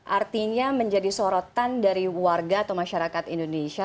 artinya menjadi sorotan dari warga atau masyarakat indonesia